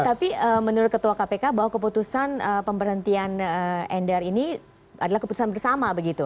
tapi menurut ketua kpk bahwa keputusan pemberhentian endar ini adalah keputusan bersama begitu